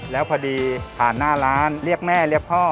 แล้วพอดีผ่านหน้าร้านเรียกแม่เรียกพ่อ